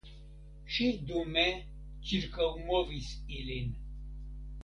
Ŝi dume ĉirkaŭmovis ilin.